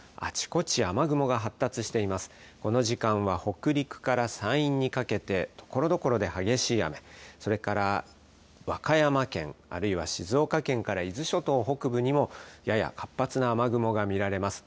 この時間は北陸から山陰にかけて、ところどころで激しい雨、それから和歌山県、あるいは静岡県から伊豆諸島北部にも、やや活発な雨雲が見られます。